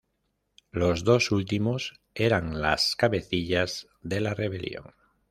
Los dos últimos eran las cabecillas de la rebelión.